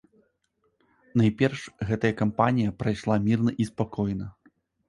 Найперш, гэтая кампанія прайшла мірна і спакойна.